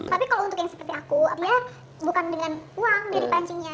tapi kalau untuk yang seperti aku bukan dengan uang dari pancinya